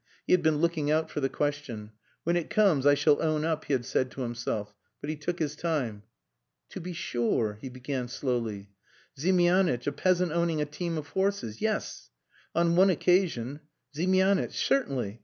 He had been looking out for the question. "When it comes I shall own up," he had said to himself. But he took his time. "To be sure!" he began slowly. "Ziemianitch, a peasant owning a team of horses. Yes. On one occasion. Ziemianitch! Certainly!